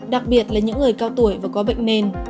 đặc biệt là những người cao tuổi và có bệnh nền